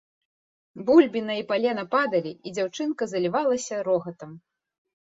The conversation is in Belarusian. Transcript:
Бульбіна і палена падалі, і дзяўчынка залівалася рогатам.